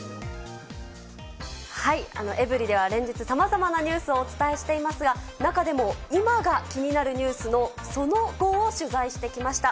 エブリィでは連日、さまざまなニュースをお伝えしていますが、中でも今が気になるニュースのその後を取材してきました。